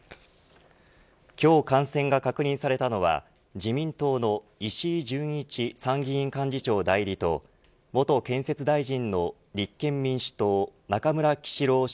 今日感染が確認されたのは自民党の石井準一参議院幹事長代理と元建設大臣の立憲民主党中村喜四郎